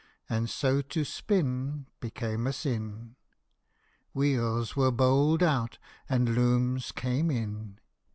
And so to spin Became a sin ; Wheels were bowled out, and looms came in.